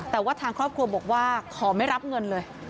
แต่ว่าทางครอบครัวบอกว่าขอไม่รับเงินเลย